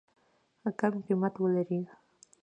کم قیمت ولري.